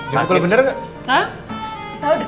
gak usah berantem